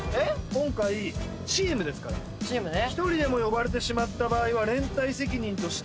今回チームですからチームねマジかおい！